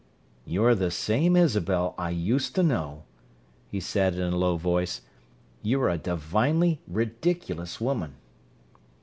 "You're the same Isabel I used to know!" he said in a low voice. "You're a divinely ridiculous woman."